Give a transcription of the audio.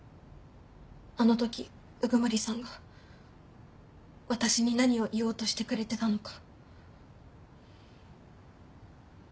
あの時鵜久森さんが私に何を言おうとしてくれてたのか。